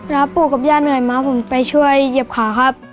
แล้วปู่กับย่าเหนื่อยมาผมไปช่วยเหยียบขาครับ